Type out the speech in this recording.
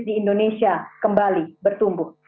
di indonesia kembali bertumbuh